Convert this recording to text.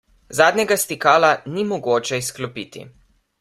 Zadnjega stikala ni mogoče izklopiti.